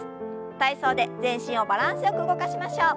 体操で全身をバランスよく動かしましょう。